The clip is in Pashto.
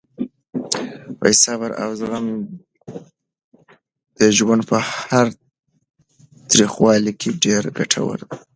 صبر او زغم د ژوند په هره تریخوالې کې ډېر ګټور دي.